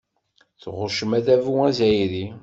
Tɣuccem adabu azzayri.